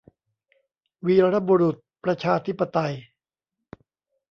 วีรบุรุษประชาธิปไตย